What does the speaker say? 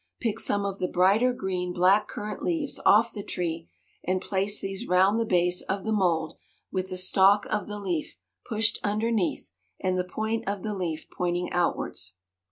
Pick some of the brighter green black currant leaves off the tree, and place these round the base of the mould with the stalk of the leaf pushed underneath and the point of the leaf pointing outwards.